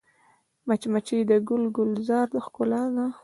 مچمچۍ د ګل ګلزار ښکلا ده